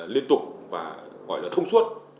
liên tục và gọi là thông suốt